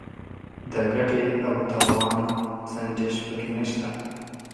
د ګټې او تاوان سنجش پکې نشته.